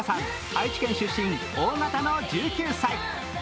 愛知県出身、Ｏ型の１９歳。